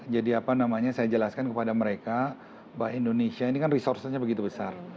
jadi apa namanya saya jelaskan kepada mereka bahwa indonesia ini kan resourcenya begitu besar